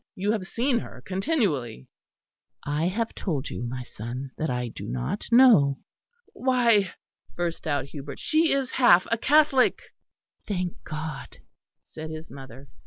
You have seen her continually." "I have told you, my son, that I do not know." "Why," burst out Hubert, "she is half a Catholic." "Thank God," said his mother.